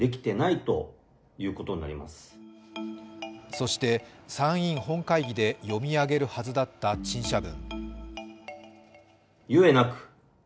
そして、参院本会議で読み上げるはずだった陳謝文。